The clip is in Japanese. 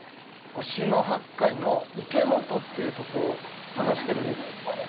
忍野八海の池本っていうとこ探してるんです。